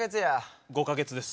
５か月です。